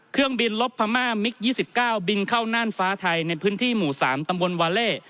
เครื่องบินลบพม่ามิก๒๙บินเข้าน่านฟ้าไทยในพื้นที่หมู่๓ตำบลวาเล่